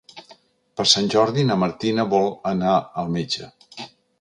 Per Sant Jordi na Martina vol anar al metge.